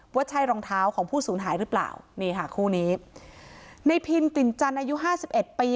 ว่าใช่รองเท้าของผู้สูญหายรึเปล่าในพินตินจันทร์อายุ๕๑ปี